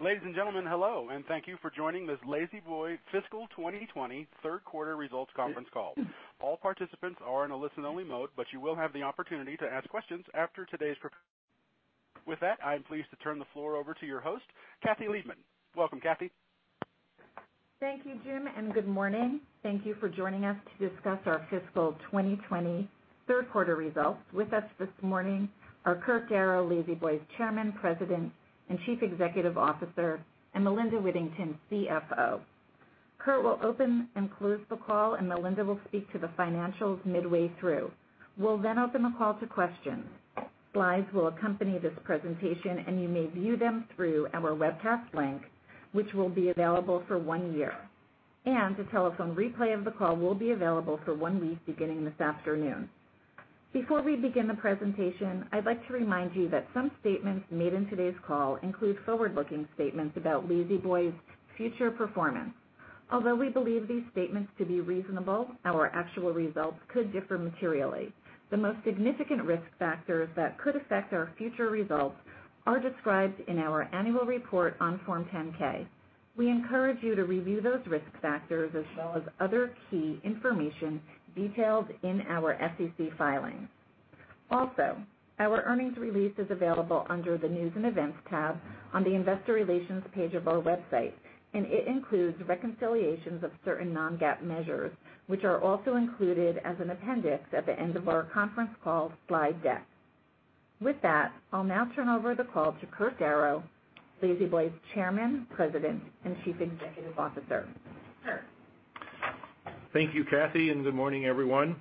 Ladies and gentlemen, hello, and thank you for joining this La-Z-Boy fiscal 2020 third quarter results conference call. All participants are in a listen-only mode, but you will have the opportunity to ask questions after today's presentation. With that, I'm pleased to turn the floor over to your host, Kathy Liebmann. Welcome, Kathy. Thank you, Jim, and good morning. Thank you for joining us to discuss our fiscal 2020 third quarter results. With us this morning are Kurt Darrow, La-Z-Boy's Chairman, President, and Chief Executive Officer, and Melinda Whittington, CFO. Kurt will open and close the call, and Melinda will speak to the financials midway through. We'll open the call to questions. Slides will accompany this presentation, and you may view them through our webcast link, which will be available for one year. The telephone replay of the call will be available for one week beginning this afternoon. Before we begin the presentation, I'd like to remind you that some statements made in today's call include forward-looking statements about La-Z-Boy's future performance. Although we believe these statements to be reasonable, our actual results could differ materially. The most significant risk factors that could affect our future results are described in our annual report on Form 10-K. We encourage you to review those risk factors as well as other key information detailed in our SEC filings. Also, our earnings release is available under the News & Events tab on the Investor Relations page of our website, and it includes reconciliations of certain non-GAAP measures, which are also included as an appendix at the end of our conference call slide deck. With that, I'll now turn over the call to Kurt Darrow, La-Z-Boy's Chairman, President, and Chief Executive Officer. Kurt? Thank you, Kathy, and good morning, everyone.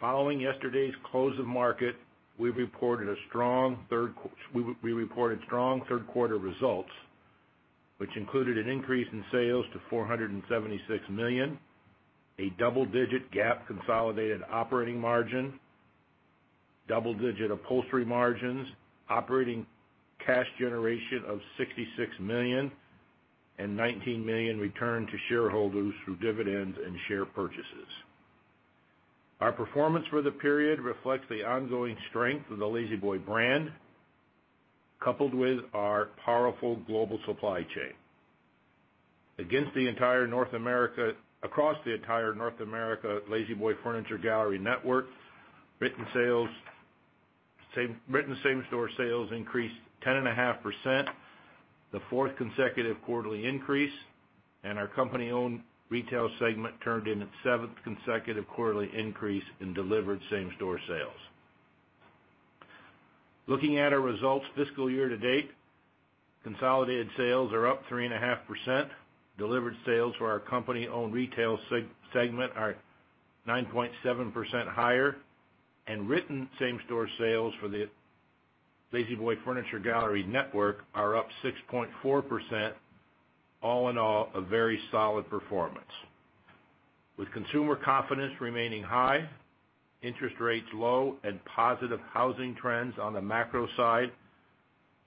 Following yesterday's close of market, we reported strong third quarter results, which included an increase in sales to $476 million, a double-digit GAAP consolidated operating margin, double-digit upholstery margins, operating cash generation of $66 million, and $19 million returned to shareholders through dividends and share purchases. Our performance for the period reflects the ongoing strength of the La-Z-Boy brand, coupled with our powerful global supply chain. Across the entire North America La-Z-Boy Furniture Galleries network, written same-store sales increased 10.5%, the fourth consecutive quarterly increase, and our company-owned retail segment turned in its seventh consecutive quarterly increase in delivered same-store sales. Looking at our results fiscal year-to-date, consolidated sales are up 3.5%. Delivered sales for our company-owned retail segment are 9.7% higher, and written same-store sales for the La-Z-Boy Furniture Galleries network are up 6.4%. All in all, a very solid performance. With consumer confidence remaining high, interest rates low, and positive housing trends on the macro side,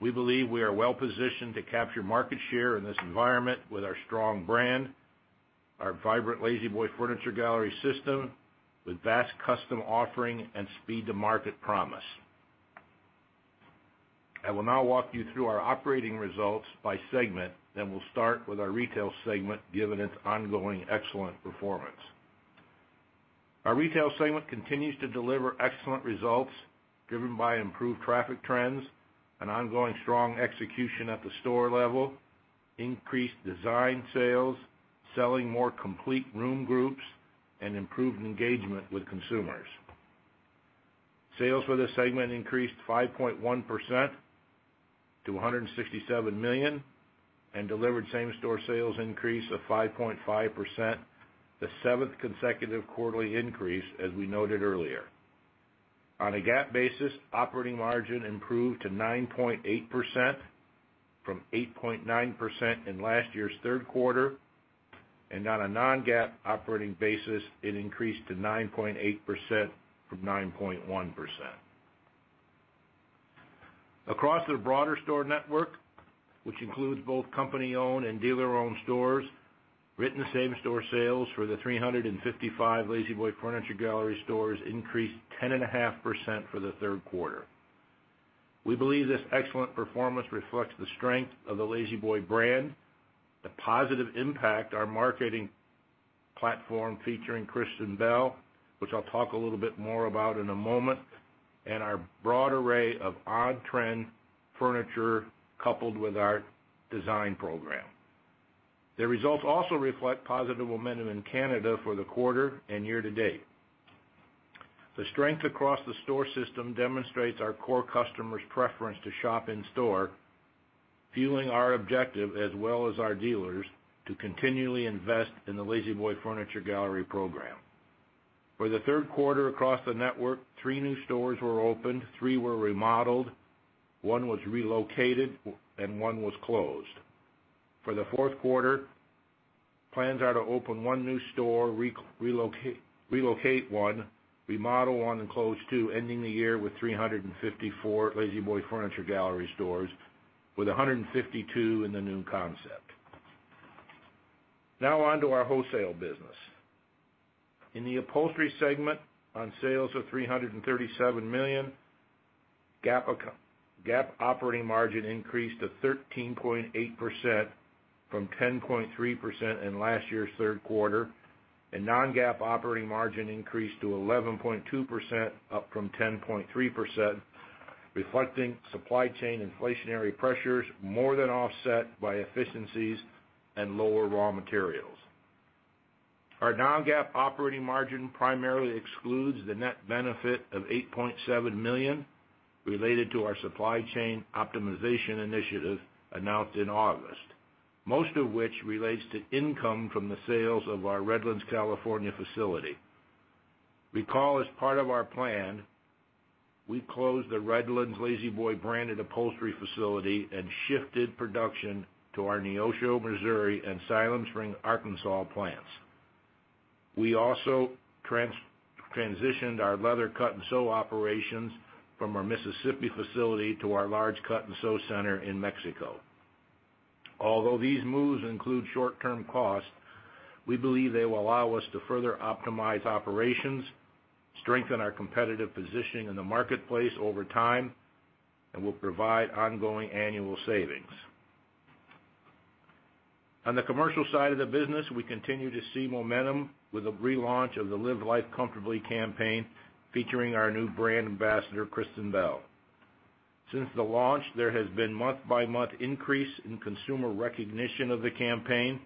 we believe we are well-positioned to capture market share in this environment with our strong brand, our vibrant La-Z-Boy Furniture Galleries system with vast custom offering, and speed-to-market promise. I will now walk you through our operating results by segment, and we'll start with our retail segment given its ongoing excellent performance. Our retail segment continues to deliver excellent results driven by improved traffic trends, an ongoing strong execution at the store level, increased design sales, selling more complete room groups, and improved engagement with consumers. Sales for this segment increased 5.1% to $167 million and delivered same-store sales increase of 5.5%, the seventh consecutive quarterly increase, as we noted earlier. On a GAAP basis, operating margin improved to 9.8% from 8.9% in last year's third quarter, and on a non-GAAP operating basis, it increased to 9.8% from 9.1%. Across the broader store network, which includes both company-owned and dealer-owned stores, written same-store sales for the 355 La-Z-Boy Furniture Galleries stores increased 10.5% for the third quarter. We believe this excellent performance reflects the strength of the La-Z-Boy brand, the positive impact our marketing platform featuring Kristen Bell, which I'll talk a little bit more about in a moment, and our broad array of on-trend furniture coupled with our design program. The results also reflect positive momentum in Canada for the quarter and year to date. The strength across the store system demonstrates our core customers' preference to shop in store, fueling our objective as well as our dealers to continually invest in the La-Z-Boy Furniture Galleries program. For the third quarter across the network, three new stores were opened, three were remodeled, one was relocated, and one was closed. For the fourth quarter, plans are to open one new store, relocate one, remodel one, and close two, ending the year with 354 La-Z-Boy Furniture Galleries stores with 152 in the new concept. Now on to our wholesale business. In the upholstery segment on sales of $337 million, GAAP operating margin increased to 13.8% from 10.3% in last year's third quarter. Non-GAAP operating margin increased to 11.2%, up from 10.3%, reflecting supply chain inflationary pressures more than offset by efficiencies and lower raw materials. Our non-GAAP operating margin primarily excludes the net benefit of $8.7 million related to our supply chain optimization initiative announced in August, most of which relates to income from the sales of our Redlands, California, facility. Recall as part of our plan, we closed the Redlands La-Z-Boy branded upholstery facility and shifted production to our Neosho, Missouri, and Siloam Springs, Arkansas, plants. We also transitioned our leather cut-and-sew operations from our Mississippi facility to our large cut-and-sew center in Mexico. Although these moves include short-term costs, we believe they will allow us to further optimize operations, strengthen our competitive position in the marketplace over time, and will provide ongoing annual savings. On the commercial side of the business, we continue to see momentum with the relaunch of the Live Life Comfortably campaign, featuring our new brand ambassador, Kristen Bell. Since the launch, there has been month-by-month increase in consumer recognition of the campaign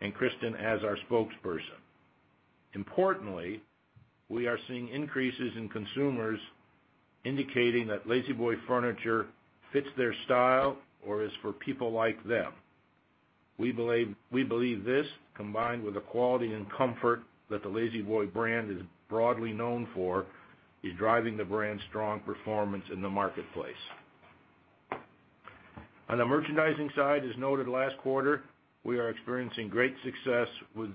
and Kristen as our spokesperson. Importantly, we are seeing increases in consumers indicating that La-Z-Boy furniture fits their style or is for people like them. We believe this, combined with the quality and comfort that the La-Z-Boy brand is broadly known for, is driving the brand's strong performance in the marketplace. On the merchandising side, as noted last quarter, we are experiencing great success with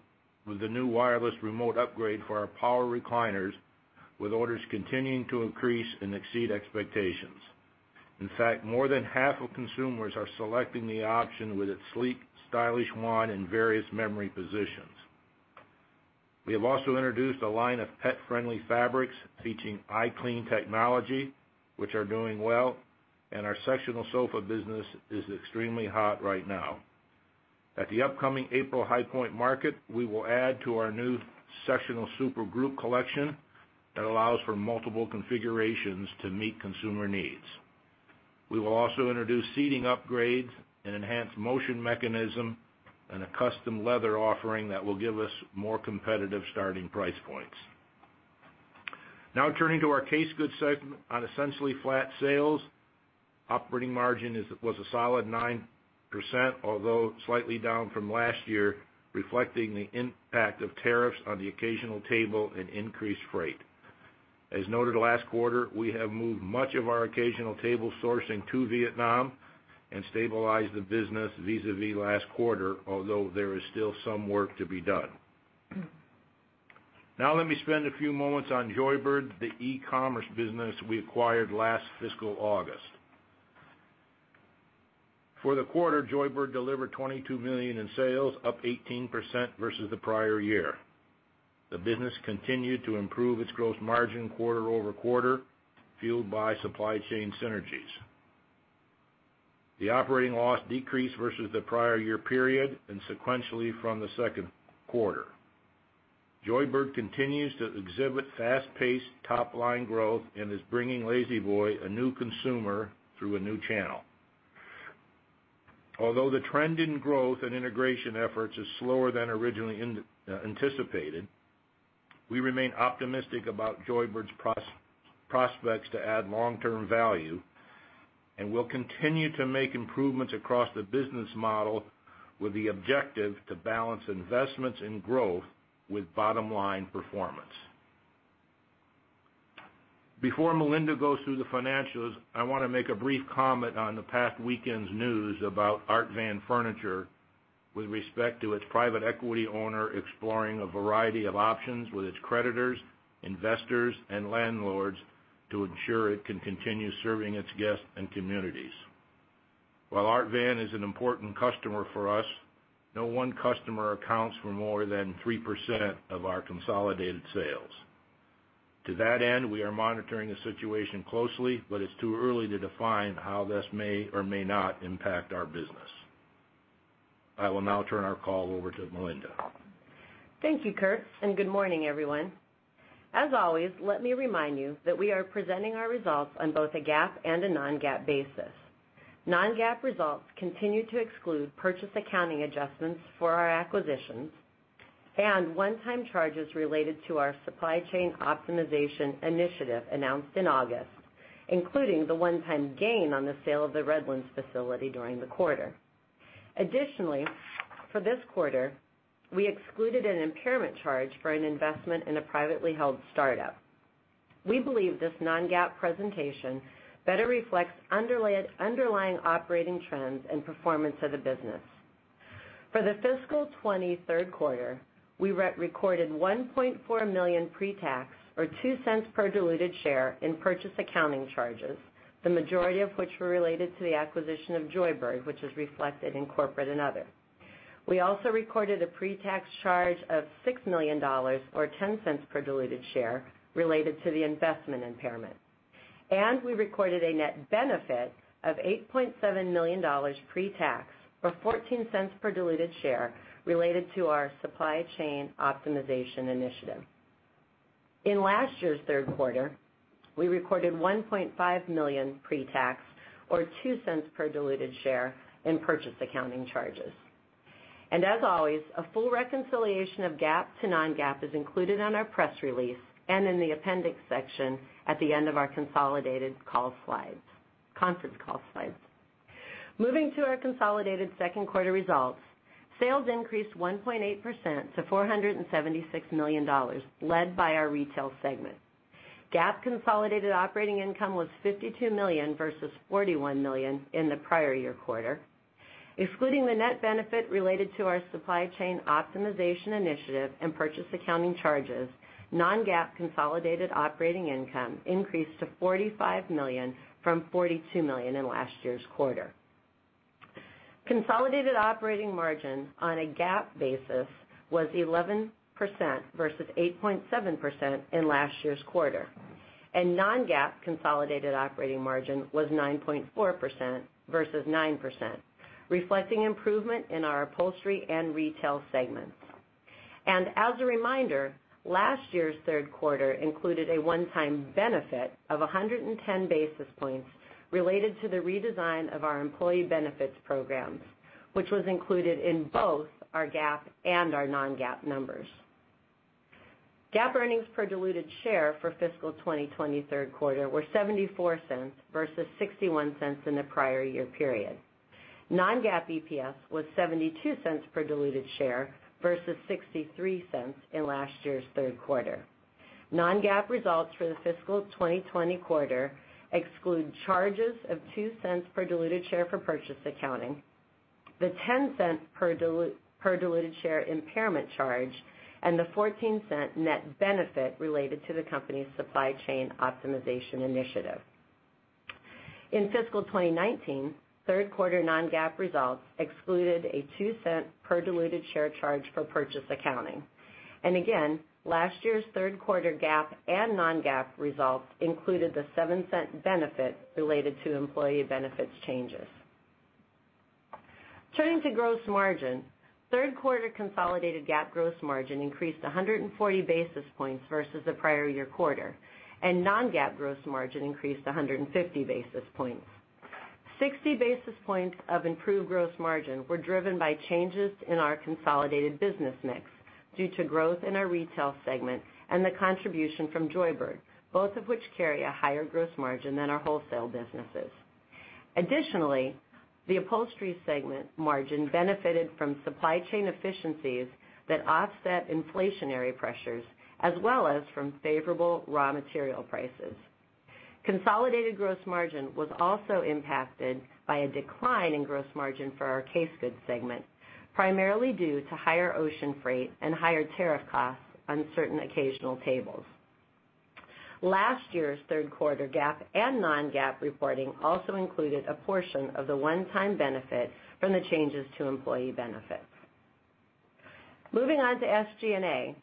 the new wireless remote upgrade for our power recliners, with orders continuing to increase and exceed expectations. In fact, more than half of consumers are selecting the option with its sleek, stylish wand and various memory positions. We have also introduced a line of pet-friendly fabrics featuring iClean technology, which are doing well, and our sectional sofa business is extremely hot right now. At the upcoming April High Point Market, we will add to our new sectional super group collection that allows for multiple configurations to meet consumer needs. We will also introduce seating upgrades, an enhanced motion mechanism, and a custom leather offering that will give us more competitive starting price points. Turning to our case goods segment on essentially flat sales. Operating margin was a solid 9%, although slightly down from last year, reflecting the impact of tariffs on the occasional table and increased freight. As noted last quarter, we have moved much of our occasional table sourcing to Vietnam and stabilized the business vis-à-vis last quarter, although there is still some work to be done. Let me spend a few moments on Joybird, the e-commerce business we acquired last fiscal August. For the quarter, Joybird delivered $22 million in sales, up 18% versus the prior year. The business continued to improve its gross margin quarter-over-quarter, fueled by supply chain synergies. The operating loss decreased versus the prior year period and sequentially from the second quarter. Joybird continues to exhibit fast-paced top-line growth and is bringing La-Z-Boy a new consumer through a new channel. Although the trend in growth and integration efforts is slower than originally anticipated, we remain optimistic about Joybird's prospects to add long-term value and will continue to make improvements across the business model with the objective to balance investments in growth with bottom-line performance. Before Melinda goes through the financials, I want to make a brief comment on the past weekend's news about Art Van Furniture with respect to its private equity owner exploring a variety of options with its creditors, investors, and landlords to ensure it can continue serving its guests and communities. While Art Van is an important customer for us, no one customer accounts for more than 3% of our consolidated sales. To that end, we are monitoring the situation closely, but it's too early to define how this may or may not impact our business. I will now turn our call over to Melinda. Thank you, Kurt. Good morning, everyone. As always, let me remind you that we are presenting our results on both a GAAP and a non-GAAP basis. Non-GAAP results continue to exclude purchase accounting adjustments for our acquisitions and one-time charges related to our supply chain optimization initiative announced in August, including the one-time gain on the sale of the Redlands facility during the quarter. Additionally, for this quarter, we excluded an impairment charge for an investment in a privately held startup. We believe this non-GAAP presentation better reflects underlying operating trends and performance of the business. For the fiscal 2020 third quarter, we recorded $1.4 million pre-tax, or $0.02 per diluted share in purchase accounting charges. The majority of which were related to the acquisition of Joybird, which is reflected in corporate and other. We also recorded a pre-tax charge of $6 million, or $0.10 per diluted share, related to the investment impairment. We recorded a net benefit of $8.7 million pre-tax, or $0.14 per diluted share, related to our supply chain optimization initiative. In last year's third quarter, we recorded $1.5 million pre-tax, or $0.02 per diluted share in purchase accounting charges. As always, a full reconciliation of GAAP to non-GAAP is included on our press release and in the appendix section at the end of our conference call slides. Moving to our consolidated second quarter results, sales increased 1.8% to $476 million, led by our retail segment. GAAP consolidated operating income was $52 million versus $41 million in the prior year quarter. Excluding the net benefit related to our supply chain optimization initiative and purchase accounting charges, non-GAAP consolidated operating income increased to $45 million from $42 million in last year's quarter. Consolidated operating margin on a GAAP basis was 11% versus 8.7% in last year's quarter, non-GAAP consolidated operating margin was 9.4% versus 9%, reflecting improvement in our upholstery and retail segments. As a reminder, last year's third quarter included a one-time benefit of 110 basis points related to the redesign of our employee benefits programs, which was included in both our GAAP and our non-GAAP numbers. GAAP earnings per diluted share for fiscal 2020 third quarter were $0.74 versus $0.61 in the prior year period. Non-GAAP EPS was $0.72 per diluted share versus $0.63 in last year's third quarter. Non-GAAP results for the fiscal 2020 quarter exclude charges of $0.02 per diluted share for purchase accounting, the $0.10 per diluted share impairment charge, and the $0.14 net benefit related to the company's supply chain optimization initiative. In fiscal 2019, third quarter non-GAAP results excluded a $0.02 per diluted share charge for purchase accounting. Last year's third quarter GAAP and non-GAAP results included the $0.07 benefit related to employee benefits changes. Turning to gross margin. Third quarter consolidated GAAP gross margin increased 140 basis points versus the prior year quarter, and non-GAAP gross margin increased 150 basis points. 60 basis points of improved gross margin were driven by changes in our consolidated business mix due to growth in our retail segment and the contribution from Joybird, both of which carry a higher gross margin than our wholesale businesses. The upholstery segment margin benefited from supply chain efficiencies that offset inflationary pressures, as well as from favorable raw material prices. Consolidated gross margin was also impacted by a decline in gross margin for our case goods segment, primarily due to higher ocean freight and higher tariff costs on certain occasional tables. Last year's third quarter GAAP and non-GAAP reporting also included a portion of the one-time benefit from the changes to employee benefits. Moving on to SG&A.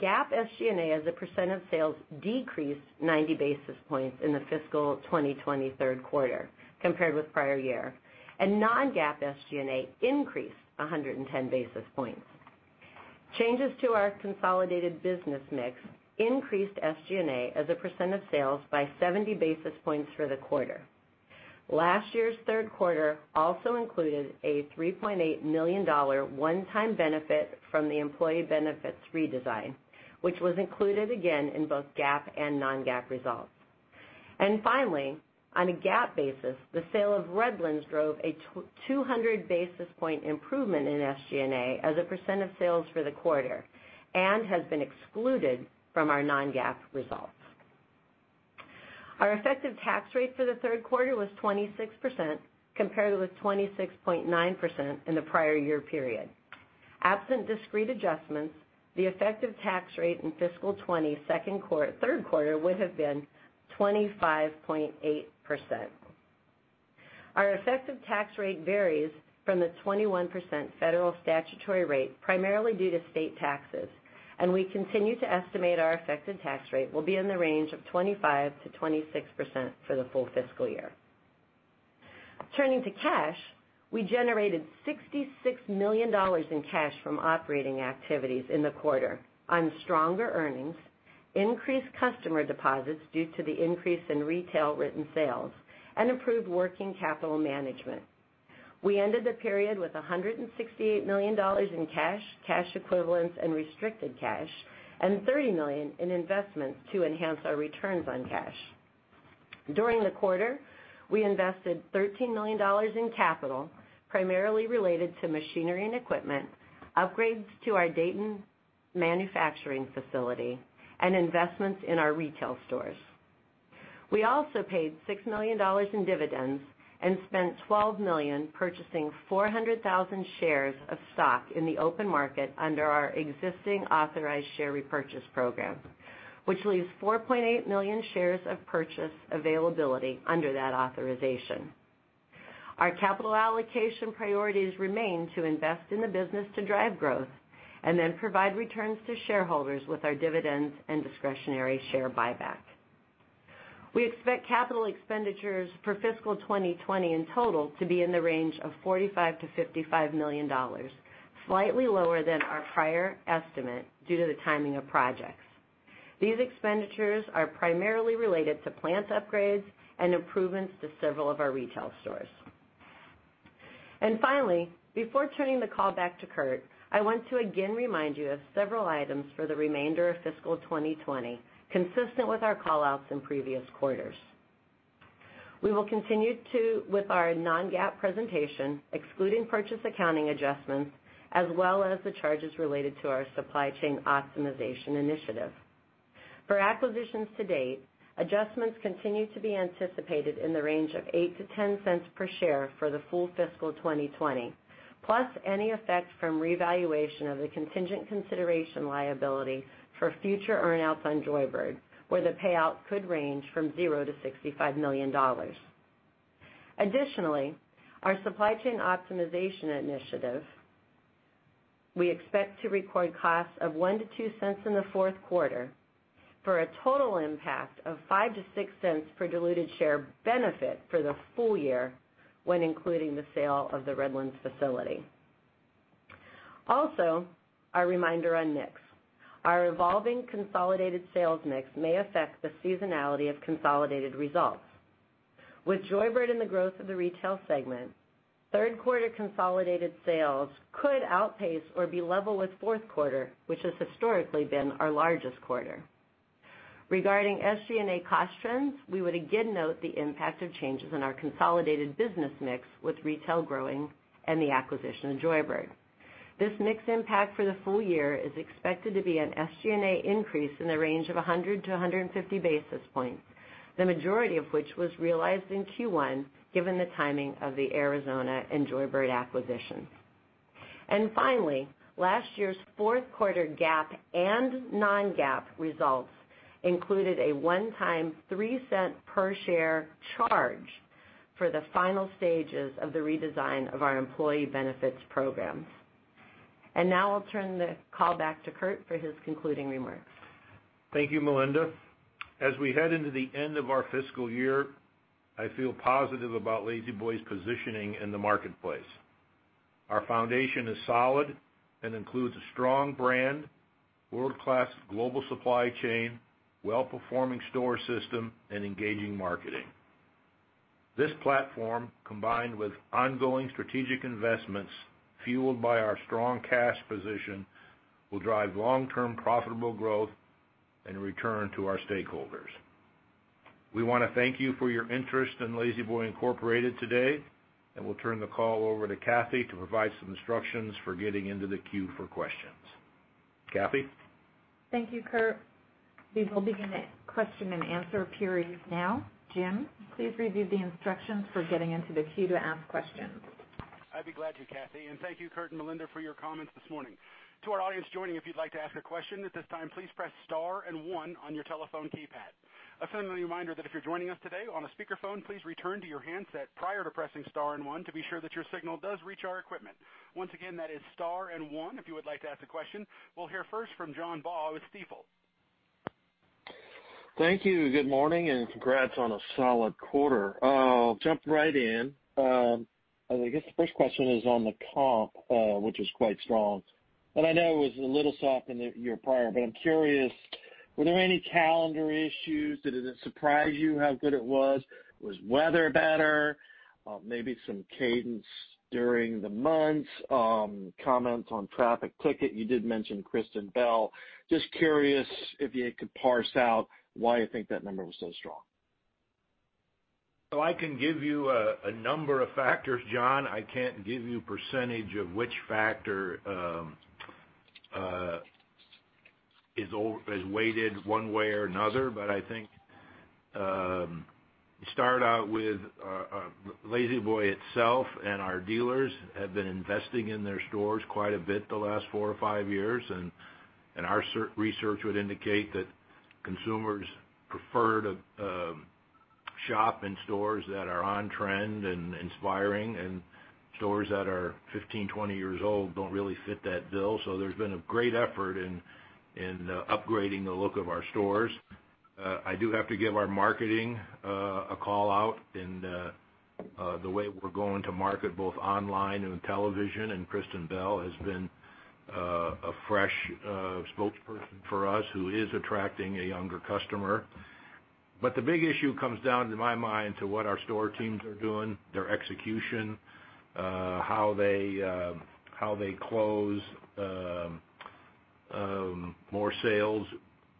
GAAP SG&A as a percent of sales decreased 90 basis points in the fiscal 2020 third quarter compared with prior year. Non-GAAP SG&A increased 110 basis points. Changes to our consolidated business mix increased SG&A as a percent of sales by 70 basis points for the quarter. Last year's third quarter also included a $3.8 million one-time benefit from the employee benefits redesign, which was included again in both GAAP and non-GAAP results. Finally, on a GAAP basis, the sale of Redlands drove a 200 basis point improvement in SG&A as a % of sales for the quarter and has been excluded from our non-GAAP results. Our effective tax rate for the third quarter was 26%, compared with 26.9% in the prior year period. Absent discrete adjustments, the effective tax rate in fiscal 2020 third quarter would have been 25.8%. Our effective tax rate varies from the 21% federal statutory rate, primarily due to state taxes, and we continue to estimate our effective tax rate will be in the range of 25%-26% for the full fiscal year. Turning to cash, we generated $66 million in cash from operating activities in the quarter on stronger earnings, increased customer deposits due to the increase in retail written sales, and improved working capital management. We ended the period with $168 million in cash equivalents, and restricted cash, and $30 million in investments to enhance our returns on cash. During the quarter, we invested $13 million in capital, primarily related to machinery and equipment, upgrades to our Dayton manufacturing facility, and investments in our retail stores. We also paid $6 million in dividends and spent $12 million purchasing 400,000 shares of stock in the open market under our existing authorized share repurchase program, which leaves 4.8 million shares of purchase availability under that authorization. Our capital allocation priorities remain to invest in the business to drive growth and then provide returns to shareholders with our dividends and discretionary share buyback. We expect capital expenditures for fiscal 2020 in total to be in the range of $45 million-$55 million, slightly lower than our prior estimate due to the timing of projects. These expenditures are primarily related to plant upgrades and improvements to several of our retail stores. Finally, before turning the call back to Kurt, I want to again remind you of several items for the remainder of fiscal 2020, consistent with our call-outs in previous quarters. We will continue with our non-GAAP presentation, excluding purchase accounting adjustments, as well as the charges related to our supply chain optimization initiative. For acquisitions to date, adjustments continue to be anticipated in the range of $0.08-$0.10 per share for the full fiscal 2020, plus any effect from revaluation of the contingent consideration liability for future earn-outs on Joybird, where the payout could range from $0-$65 million. Additionally, our supply chain optimization initiative, we expect to record costs of $0.01-$0.02 in the fourth quarter for a total impact of $0.05-$0.06 per diluted share benefit for the full year when including the sale of the Redlands facility. Also, our reminder on mix. Our evolving consolidated sales mix may affect the seasonality of consolidated results. With Joybird and the growth of the retail segment, third quarter consolidated sales could outpace or be level with fourth quarter, which has historically been our largest quarter. Regarding SG&A cost trends, we would again note the impact of changes in our consolidated business mix with retail growing and the acquisition of Joybird. This mix impact for the full year is expected to be an SG&A increase in the range of 100 to 150 basis points, the majority of which was realized in Q1 given the timing of the Arizona and Joybird acquisitions. Finally, last year's fourth quarter GAAP and non-GAAP results included a one-time $0.03 per share charge for the final stages of the redesign of our employee benefits programs. Now I'll turn the call back to Kurt for his concluding remarks. Thank you, Melinda. As we head into the end of our fiscal year, I feel positive about La-Z-Boy's positioning in the marketplace. Our foundation is solid and includes a strong brand, world-class global supply chain, well-performing store system, and engaging marketing. This platform, combined with ongoing strategic investments fueled by our strong cash position, will drive long-term profitable growth and return to our stakeholders. We want to thank you for your interest in La-Z-Boy Incorporated today, and we'll turn the call over to Kathy to provide some instructions for getting into the queue for questions. Kathy? Thank you, Kurt. We will begin the question and answer period now. Jim, please review the instructions for getting into the queue to ask questions. I'd be glad to, Kathy, and thank you, Kurt and Melinda, for your comments this morning. To our audience joining, if you'd like to ask a question at this time, please press star and one on your telephone keypad. A friendly reminder that if you're joining us today on a speakerphone, please return to your handset prior to pressing star and one to be sure that your signal does reach our equipment. Once again, that is star and one if you would like to ask a question. We'll hear first from John Baugh with Stifel. Thank you. Good morning, and congrats on a solid quarter. I'll jump right in. I guess the first question is on the comp, which is quite strong. I know it was a little soft in the year prior, but I'm curious, were there any calendar issues? Did it surprise you how good it was? Was weather better? Maybe some cadence during the months? Comments on traffic ticket? You did mention Kristen Bell. Just curious if you could parse out why you think that number was so strong. I can give you a number of factors, John. I can't give you percentage of which factor is weighted one way or another, but I think start out with La-Z-Boy itself and our dealers have been investing in their stores quite a bit the last four or five years, and our research would indicate that consumers prefer to shop in stores that are on trend and inspiring, and stores that are 15, 20 years old don't really fit that bill. There's been a great effort in upgrading the look of our stores. I do have to give our marketing a call-out in the way we're going to market both online and television, and Kristen Bell has been a fresh spokesperson for us who is attracting a younger customer. The big issue comes down, to my mind, to what our store teams are doing, their execution, how they close more sales,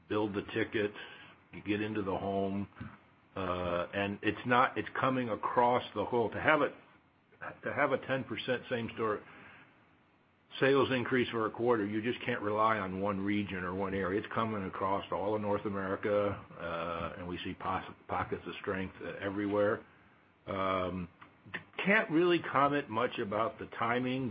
build the ticket, get into the home. It's coming across. To have a 10% same store sales increase for a quarter, you just can't rely on one region or one area. It's coming across all of North America, and we see pockets of strength everywhere. Can't really comment much about the timing.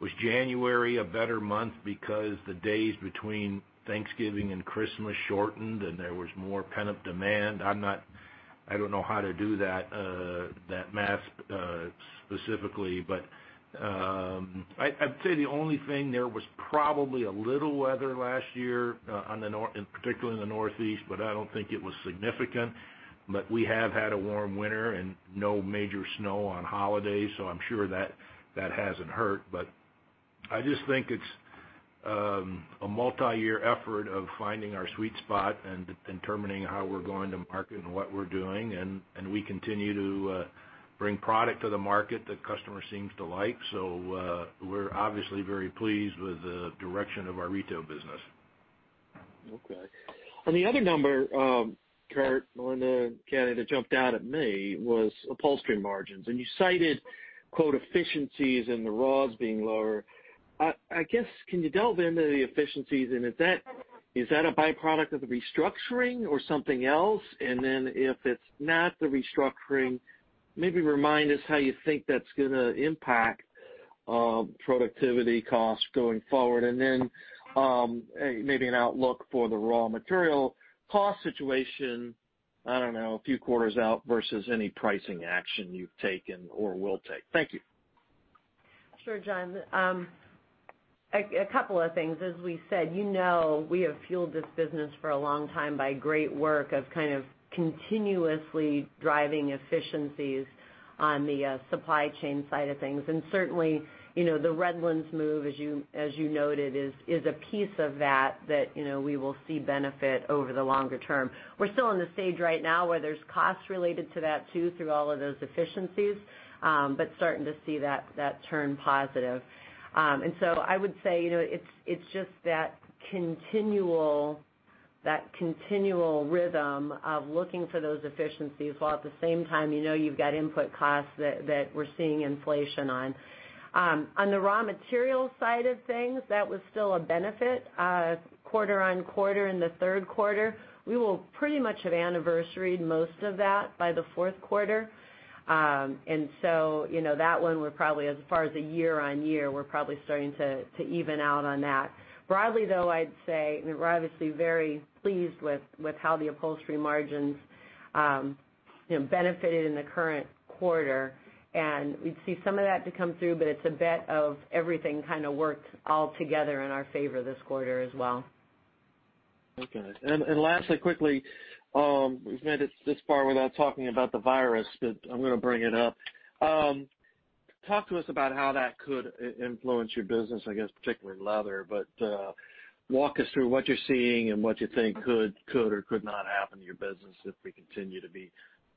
Was January a better month because the days between Thanksgiving and Christmas shortened and there was more pent-up demand? I don't know how to do that math specifically, but I'd say the only thing there was probably a little weather last year, particularly in the Northeast, but I don't think it was significant. We have had a warm winter and no major snow on holidays, so I'm sure that hasn't hurt. I just think it's a multi-year effort of finding our sweet spot and determining how we're going to market and what we're doing. We continue to bring product to the market that customer seems to like. We're obviously very pleased with the direction of our retail business. Okay. The other number, Kurt, Melinda, Kathy, that jumped out at me was upholstery margins. You cited, quote, "efficiencies and the raws being lower." I guess, can you delve into the efficiencies? Is that a byproduct of the restructuring or something else? If it's not the restructuring, maybe remind us how you think that's going to impact productivity costs going forward. Maybe an outlook for the raw material cost situation, I don't know, a few quarters out versus any pricing action you've taken or will take. Thank you. Sure, John. A couple of things. As we said, you know we have fueled this business for a long time by great work of kind of continuously driving efficiencies on the supply chain side of things. Certainly, the Redlands move, as you noted, is a piece of that we will see benefit over the longer term. We're still in the stage right now where there's costs related to that too, through all of those efficiencies, but starting to see that turn positive. I would say it's just that continual rhythm of looking for those efficiencies while at the same time you know you've got input costs that we're seeing inflation on. On the raw material side of things, that was still a benefit quarter-on-quarter in the third quarter. We will pretty much have anniversaried most of that by the fourth quarter. That one we're probably, as far as a year-on-year, we're probably starting to even out on that. Broadly, though, I'd say we're obviously very pleased with how the upholstery margins benefited in the current quarter. We'd see some of that to come through, but it's a bit of everything kind of worked all together in our favor this quarter as well. Okay. Lastly quickly, we've made it this far without talking about the virus, but I'm going to bring it up. Talk to us about how that could influence your business, I guess particularly leather, but walk us through what you're seeing and what you think could or could not happen to your business if we continue to be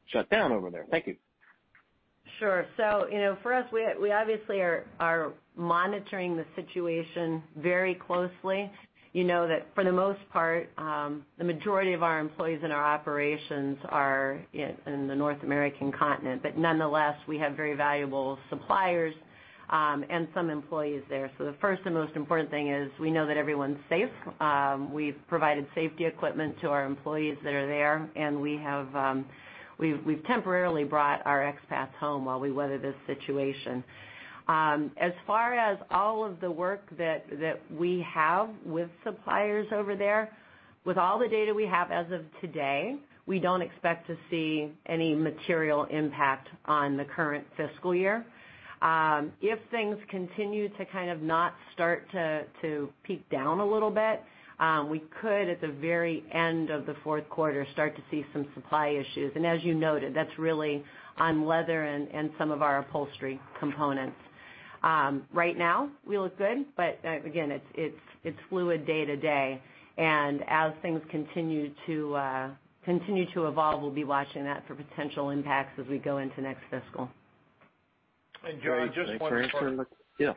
shut down over there. Thank you. Sure. For us, we obviously are monitoring the situation very closely. You know that for the most part, the majority of our employees and our operations are in the North American continent. Nonetheless, we have very valuable suppliers and some employees there. The first and most important thing is we know that everyone's safe. We've provided safety equipment to our employees that are there, and we've temporarily brought our expats home while we weather this situation. As far as all of the work that we have with suppliers over there, with all the data we have as of today, we don't expect to see any material impact on the current fiscal year. If things continue to kind of not start to peak down a little bit, we could, at the very end of the fourth quarter, start to see some supply issues. As you noted, that's really on leather and some of our upholstery components. Right now, we look good, but again, it's fluid day to day. As things continue to evolve, we'll be watching that for potential impacts as we go into next fiscal. John, just one point. Yeah.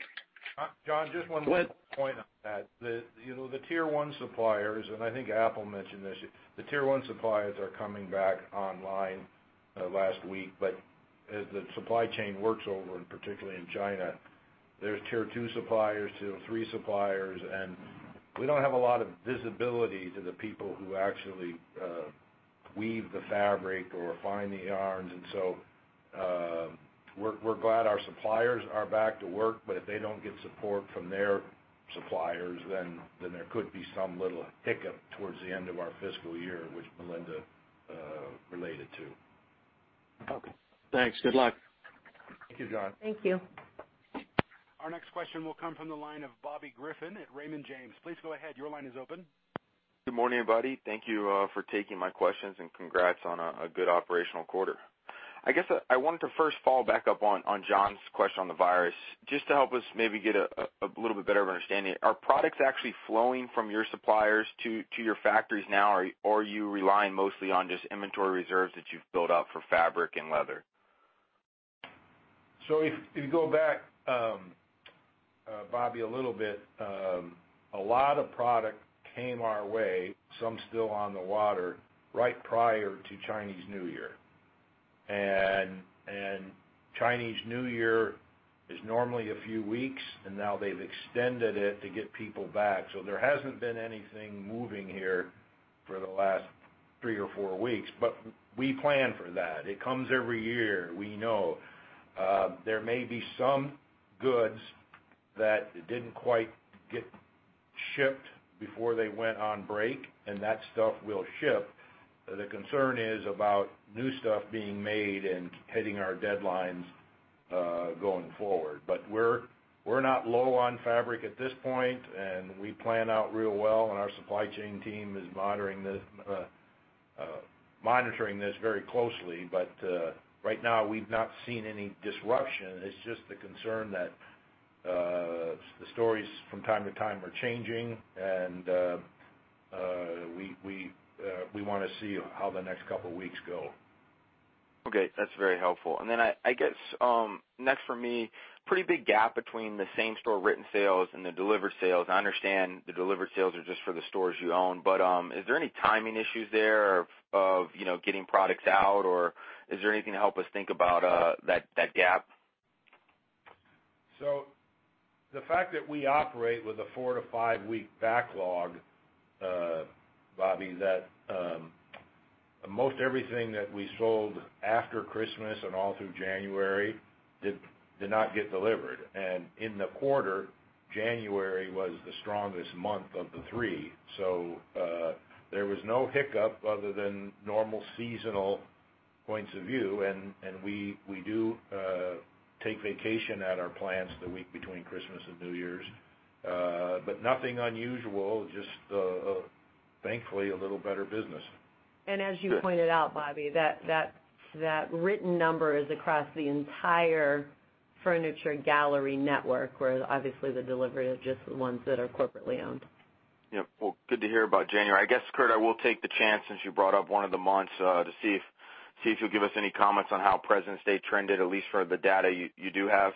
John, just one little point on that. The tier one suppliers, I think Apple mentioned this, the tier one suppliers are coming back online last week. As the supply chain works over, particularly in China, there's tier two suppliers, tier three suppliers, and we don't have a lot of visibility to the people who actually weave the fabric or find the yarns. We're glad our suppliers are back to work, but if they don't get support from their suppliers, then there could be some little hiccup towards the end of our fiscal year, which Melinda related to. Okay. Thanks. Good luck. Thank you, John. Thank you. Our next question will come from the line of Bobby Griffin at Raymond James. Please go ahead. Your line is open. Good morning, everybody. Thank you for taking my questions, and congrats on a good operational quarter. I guess I wanted to first follow back up on John's question on the virus, just to help us maybe get a little bit better of an understanding. Are products actually flowing from your suppliers to your factories now? Or are you relying mostly on just inventory reserves that you've built up for fabric and leather? If you go back, Bobby, a little bit, a lot of product came our way, some still on the water, right prior to Chinese New Year. Chinese New Year is normally a few weeks, and now they've extended it to get people back. There hasn't been anything moving here for the last three or four weeks. We plan for that. It comes every year. We know. There may be some goods that didn't quite get shipped before they went on break, and that stuff will ship. The concern is about new stuff being made and hitting our deadlines going forward. We're not low on fabric at this point, and we plan out real well, and our supply chain team is monitoring this very closely. Right now, we've not seen any disruption. It's just the concern that the stories from time to time are changing, and we want to see how the next couple of weeks go. Okay. That's very helpful. I guess, next for me, pretty big gap between the same-store written sales and the delivered sales. I understand the delivered sales are just for the stores you own, but is there any timing issues there of getting products out, or is there anything to help us think about that gap? The fact that we operate with a four to five-week backlog, Bobby, that most everything that we sold after Christmas and all through January did not get delivered. In the quarter, January was the strongest month of the three. There was no hiccup other than normal seasonal points of view. We do take vacation at our plants the week between Christmas and New Year's. Nothing unusual, just, thankfully, a little better business. As you pointed out, Bobby, that written number is across the entire Furniture Galleries network, where obviously the delivery is just the ones that are corporately owned. Yep. Well, good to hear about January. I guess, Kurt, I will take the chance, since you brought up one of the months, to see if you'll give us any comments on how Presidents' Day trended, at least for the data you do have.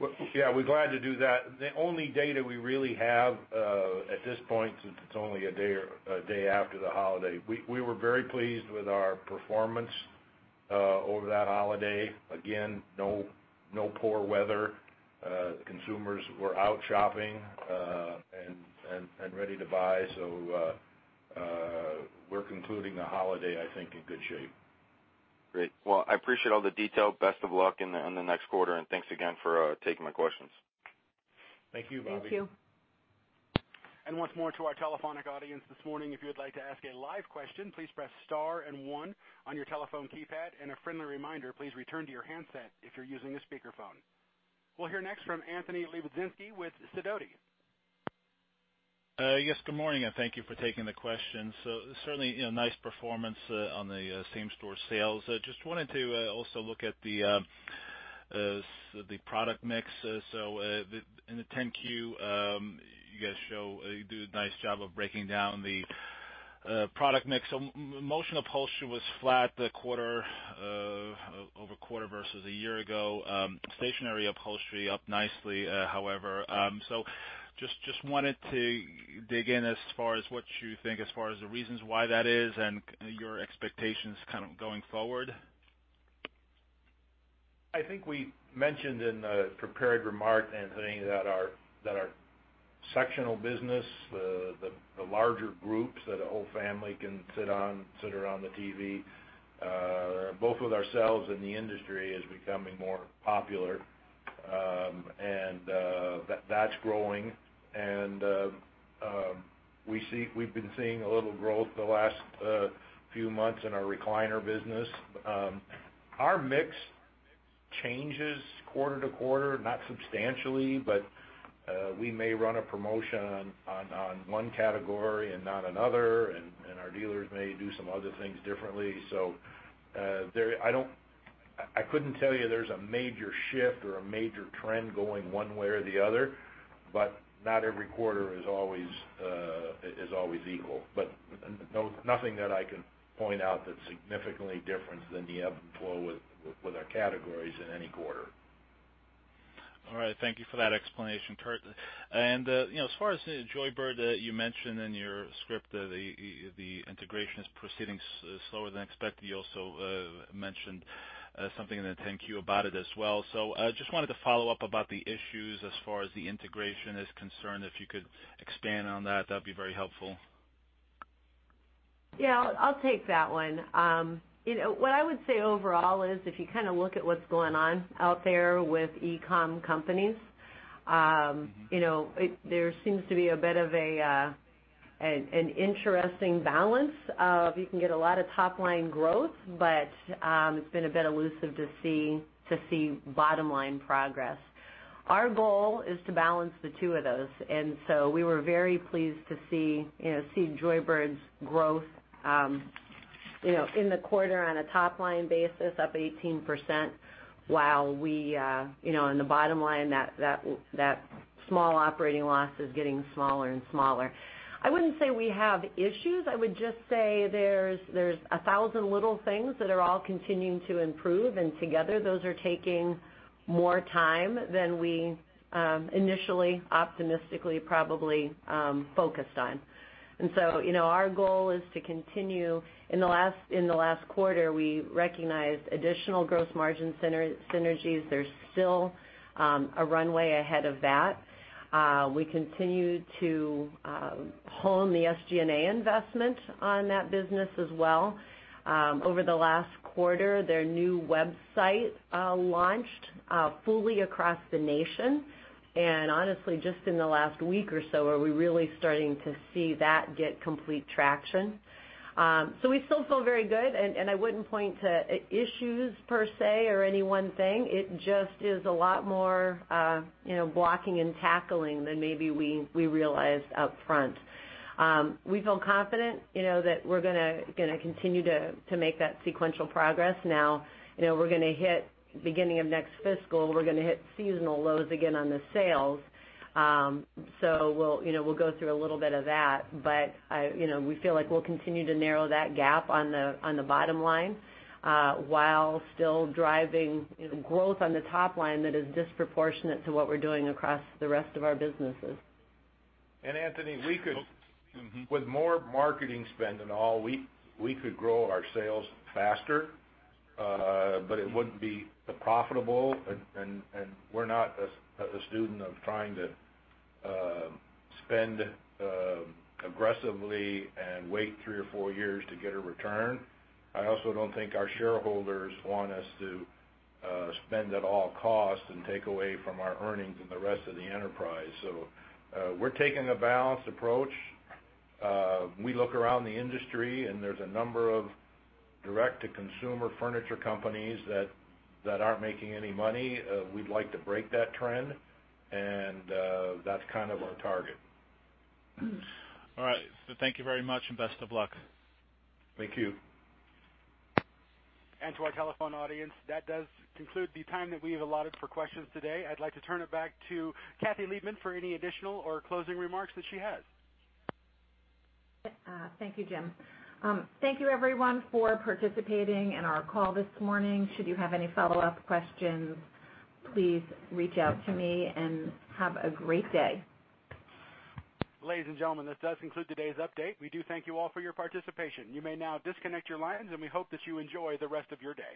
Well, yeah, we're glad to do that. The only data we really have, at this point, since it's only a day after the holiday, we were very pleased with our performance over that holiday. Again, no poor weather. Consumers were out shopping and ready to buy. We're concluding the holiday, I think, in good shape. Great. Well, I appreciate all the detail. Best of luck in the next quarter. Thanks again for taking my questions. Thank you, Bobby. Thank you. Once more to our telephonic audience this morning, if you would like to ask a live question, please press star and one on your telephone keypad. A friendly reminder, please return to your handset if you're using a speakerphone. We'll hear next from Anthony Lebiedzinski with Sidoti. Yes, good morning, and thank you for taking the question. Certainly, nice performance on the same-store sales. Just wanted to also look at the product mix. In the 10-Q, you guys do a nice job of breaking down the product mix. Motion upholstery was flat over quarter versus a year ago. Stationary upholstery up nicely, however. Just wanted to dig in as far as what you think as far as the reasons why that is and your expectations kind of going forward. I think we mentioned in the prepared remark, Anthony, that our sectional business, the larger groups that a whole family can sit on, sit around the TV, both with ourselves and the industry, is becoming more popular. That's growing. We've been seeing a little growth the last few months in our recliner business. Our mix changes quarter to quarter, not substantially, but we may run a promotion on one category and not another, and our dealers may do some other things differently. I couldn't tell you there's a major shift or a major trend going one way or the other, but not every quarter is always equal. Nothing that I can point out that's significantly different than the ebb and flow with our categories in any quarter. All right. Thank you for that explanation, Kurt. As far as Joybird, you mentioned in your script the integration is proceeding slower than expected. You also mentioned something in the 10-Q about it as well. Just wanted to follow up about the issues as far as the integration is concerned. If you could expand on that'd be very helpful. Yeah, I'll take that one. What I would say overall is if you look at what's going on out there with e-com companies, there seems to be a bit of an interesting balance of, you can get a lot of top-line growth, but it's been a bit elusive to see bottom-line progress. We were very pleased to see Joybird's growth in the quarter on a top-line basis up 18%, while we, on the bottom line, that small operating loss is getting smaller and smaller. I wouldn't say we have issues. I would just say there's a 1,000 little things that are all continuing to improve, and together, those are taking more time than we initially, optimistically probably, focused on. Our goal is to continue. In the last quarter, we recognized additional growth margin synergies. There's still a runway ahead of that. We continue to hone the SG&A investment on that business as well. Over the last quarter, their new website launched fully across the nation, and honestly, just in the last week or so are we really starting to see that get complete traction. We still feel very good, and I wouldn't point to issues per se or any one thing. It just is a lot more blocking and tackling than maybe we realized upfront. We feel confident that we're going to continue to make that sequential progress now. Beginning of next fiscal, we're going to hit seasonal lows again on the sales. We'll go through a little bit of that. We feel like we'll continue to narrow that gap on the bottom line, while still driving growth on the top line that is disproportionate to what we're doing across the rest of our businesses. Anthony, with more marketing spend and all, we could grow our sales faster, but it wouldn't be profitable, and we're not a student of trying to spend aggressively and wait three or four years to get a return. I also don't think our shareholders want us to spend at all costs and take away from our earnings and the rest of the enterprise. We're taking a balanced approach. We look around the industry, and there's a number of direct-to-consumer furniture companies that aren't making any money. We'd like to break that trend, and that's kind of our target. All right. Thank you very much, and best of luck. Thank you. To our telephone audience, that does conclude the time that we have allotted for questions today. I'd like to turn it back to Kathy Liebmann for any additional or closing remarks that she has. Thank you, Jim. Thank you, everyone, for participating in our call this morning. Should you have any follow-up questions, please reach out to me and have a great day. Ladies and gentlemen, this does conclude today's update. We do thank you all for your participation. You may now disconnect your lines, and we hope that you enjoy the rest of your day.